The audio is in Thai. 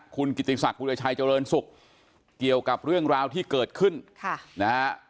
คุณกิติศักดิ์บุรีชัยเจริญสุขเกี่ยวกับเรื่องราวที่เกิดขึ้น